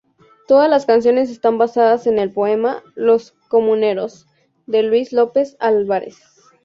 Todas las canciones están basadas en el poema "Los comuneros" de Luis López Álvarez.